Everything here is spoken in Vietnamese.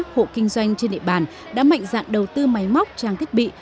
hộ kinh doanh trên địa bàn đã mạnh dạn đầu tư máy móc trang thiết bị